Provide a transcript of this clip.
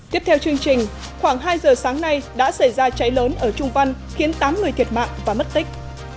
tiếp theo chương trình khoảng hai giờ sáng nay đã xảy ra cháy lớn ở trung văn khiến tám người thiệt mạng và mất tích